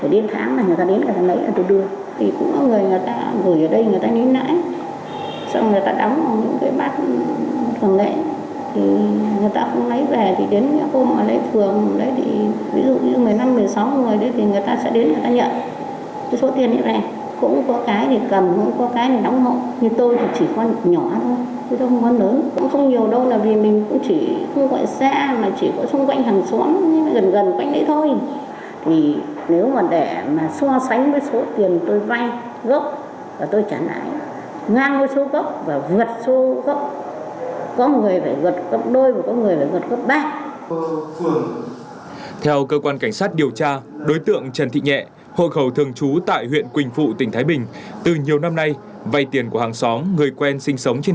đó là lý do mà đối tượng trần thị nhẹ bị một mươi hai hộ dân tại huyện quỳnh phụ tỉnh thái bình gửi đơn tố cáo lên cơ quan công an